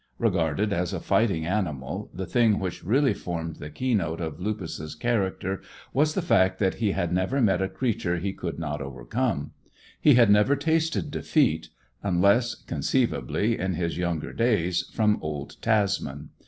Regarded as a fighting animal, the thing which really formed the keynote of Lupus's character was the fact that he had never met a creature he could not overcome. He had never tasted defeat, unless, conceivably, in his young days, from old Tasman.